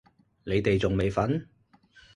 你哋仲未瞓？